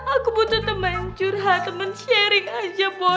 aku butuh temen curhat temen sharing aja boy